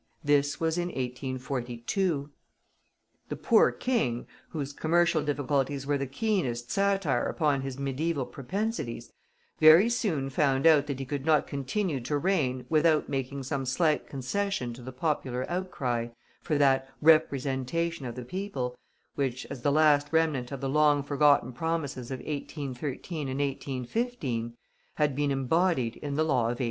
This was in 1842. The poor King, whose commercial difficulties were the keenest satire upon his Mediæval propensities, very soon found out that he could not continue to reign without making some slight concession to the popular outcry for that "Representation of the People," which, as the last remnant of the long forgotten promises of 1813 and 1815, had been embodied in the law of 1820.